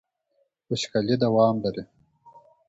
وچکالي دوام لري.